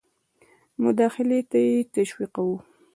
مداخلې ته یې تشویقاوه.